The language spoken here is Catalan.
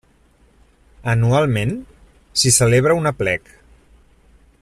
Anualment s'hi celebra un aplec.